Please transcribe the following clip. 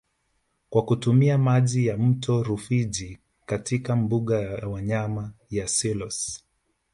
Kwa kutumia maji ya mto Rufiji katika mbuga ya wanyama ya Selous